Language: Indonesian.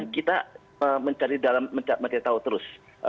kita mencari tahu terus